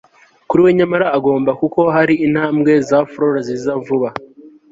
kuri we nyamara agomba, kuko hari intambwe za flora ziza vuba